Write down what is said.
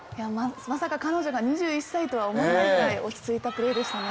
まさか彼女が２１歳とは思えないくらい落ち着いたプレーでしたね。